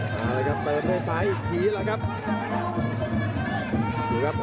มาแล้วครับเดินไปอีกทีแล้วครับ